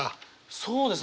そうですね。